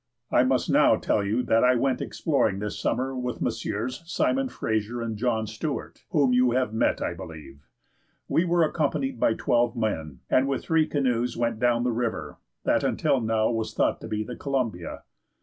"I must now tell you that I went exploring this summer with Messrs. Simon Fraser and John Stuart, whom you have met, I believe. We were accompanied by twelve men, and with three canoes went down the river, that until now was thought to be the Columbia.